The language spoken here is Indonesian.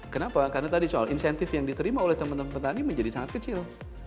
kenapa karena tadi soal insentif yang diterima oleh teman teman petani menjadi sangat kecil